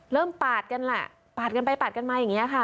ปาดกันล่ะปาดกันไปปาดกันมาอย่างนี้ค่ะ